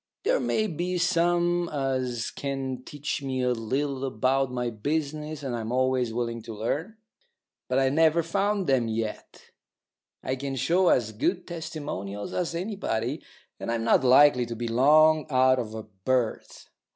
There may be some as can teach me a little about my business, and I'm always willing to learn; but I've never found 'em yet. I can show as good testimonials as anybody, and I'm not likely to be long out of a berth.